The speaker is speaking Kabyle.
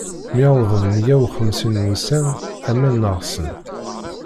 Mi wwḍen meyya uxemsin n wussan, aman neɣsen.